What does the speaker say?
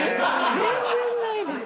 全然ないです。